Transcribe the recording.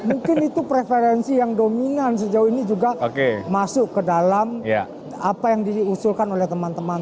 mungkin itu preferensi yang dominan sejauh ini juga masuk ke dalam apa yang diusulkan oleh teman teman